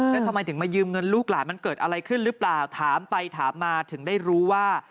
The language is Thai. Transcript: แล้วทำไมถึงมายืมเงินลูกหลานมันเกิดอะไรขึ้นหรือเปล่าถามไปถามมาถึงได้รู้ว่า